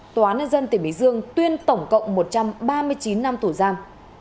tòa án dân tỉnh bình dương tuyên tổng cộng một trăm ba mươi chín năm tổ giam